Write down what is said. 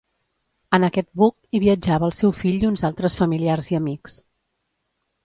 En aquest buc hi viatjava el seu fill i uns altres familiars i amics.